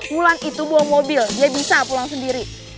mulan itu bawa mobil dia bisa pulang sendiri